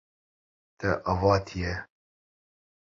Te avêtiye.